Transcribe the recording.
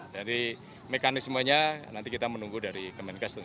jadi mekanismenya nanti kita menunggu dari kemenkes